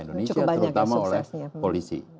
indonesia terutama oleh polisi